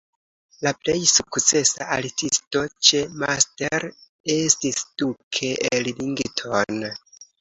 La plej sukcesa artisto ĉe Master estis Duke Ellington.